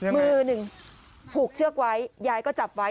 มือหนึ่งผูกเชือกไว้ยายก็จับไว้